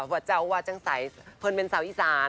วัตเจ้าวาจังสัยเพลินเป็นเศร้าอีสาน